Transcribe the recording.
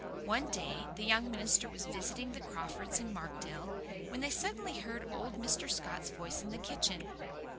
One day the young minister was visiting the Crawfords in Markdale, when they suddenly heard old Mr. Scott's voice in the kitchen.